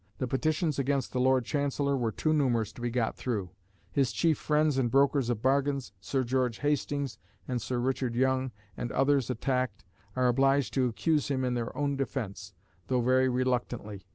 The petitions against the Lord Chancellor were too numerous to be got through: his chief friends and brokers of bargains, Sir George Hastings and Sir Richard Young, and others attacked, are obliged to accuse him in their own defence, though very reluctantly.